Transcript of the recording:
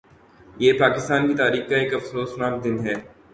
یہ پاکستان کی تاریخ کا ایک افسوسناک دن ہے